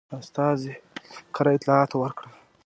استازي کره اطلاعات ورکړل.